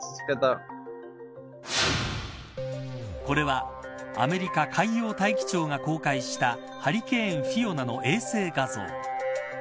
これは、アメリカ海洋大気庁が公開したハリケーンフィオナの衛星画像。